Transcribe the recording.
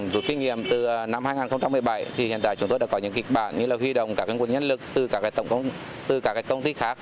dù kinh nghiệm từ năm hai nghìn một mươi bảy thì hiện tại chúng tôi đã có những kịch bản như là huy động các nguồn nhân lực từ các công ty khác